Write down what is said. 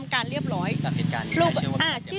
ตอนนี้เช่อะหรอเค้าแล้วทั้งนี้